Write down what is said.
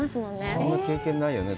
そんな経験ないよね。